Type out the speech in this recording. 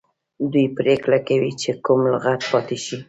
دوی پریکړه کوي چې کوم لغت پاتې شي.